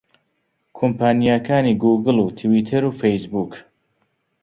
کۆمپانیاکانی گووگڵ و تویتەر و فەیسبووک